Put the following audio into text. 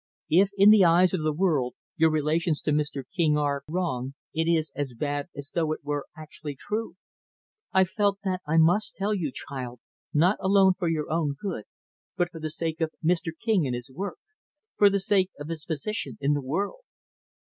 If in the eyes of the world your relations to Mr. King are are wrong, it is as bad as though it were actually true. I felt that I must tell you, child, not alone for your own good but for the sake of Mr. King and his work for the sake of his position in the world.